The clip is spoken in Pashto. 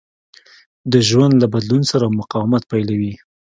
د ژوند له بدلون سره مقاومت پيلوي.